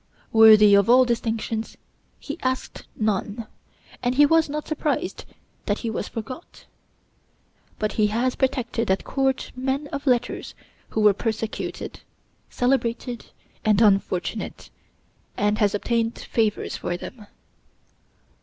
Worthy of all distinctions, he asked none, and he was not surprised that he was forgot; but he has protected at court men of letters who were persecuted, celebrated, and unfortunate, and has obtained favors for them.